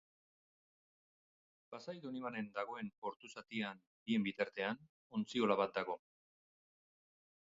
Pasai Donibanen dagoen portu zatian bien bitartean, ontziola bat dago.